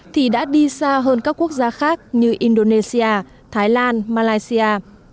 thì đã đi xa hơn các quốc gia khác như indonesia thái lan malaysia